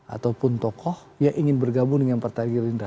ataupun tokoh yang ingin bergabung dengan partai gerindra